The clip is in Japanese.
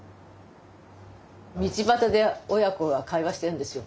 道端で親子が会話してるんですよ。